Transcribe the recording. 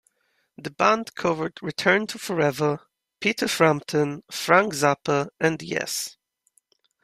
The band covered Return to Forever, Peter Frampton, Frank Zappa and Yes.